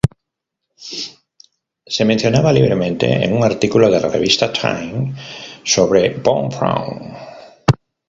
Se mencionaba libremente en un artículo de la revista Time sobre Von Braun.